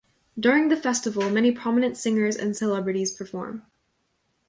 During the festival, many prominent singers and celebrities perform.